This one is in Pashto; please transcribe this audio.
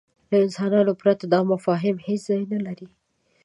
له انسانانو پرته دا مفاهیم هېڅ ځای نهلري.